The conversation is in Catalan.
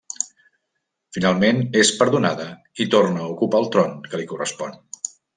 Finalment és perdonada i torna a ocupar el tron que li correspon.